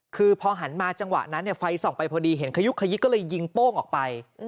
คือพอหันมาจังหวะนั้นไฟส่องไปพอดีเห็นขยุกขยิกก็เลยยิงโป้งออกไป